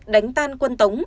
đánh tan quân tống